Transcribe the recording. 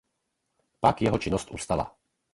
Pak jeho činnost ustala.